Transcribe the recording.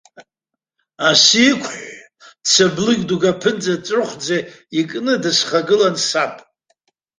Асы иқәҳәҳәы, цаблыкь дук аԥынҵа ҵәрыхәӡа икны дысхагылан саб.